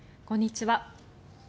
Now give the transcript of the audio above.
こんにちは。